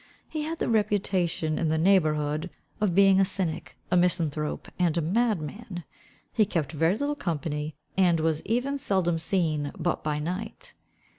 He had the reputation in the neighbourhood of being a cynic, a misanthrope, and a madman. He kept very little company, and was even seldom seen but by night.